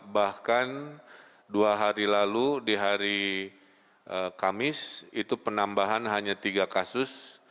bahkan dua hari lalu di hari kamis itu penambahan hanya tiga kasus